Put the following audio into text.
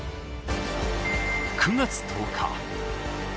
９月１０日。